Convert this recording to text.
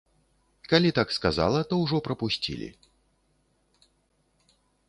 Калі так сказала, то ўжо прапусцілі.